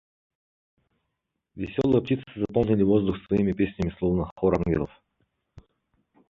Веселые птицы заполнили воздух своими песнями, словно хор ангелов.